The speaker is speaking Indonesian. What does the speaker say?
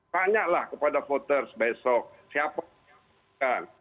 tanyalah kepada voters besok siapa yang menentukan